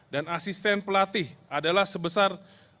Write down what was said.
dan asisten pelatih adalah sebesar